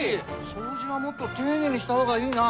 掃除はもっと丁寧にした方がいいな！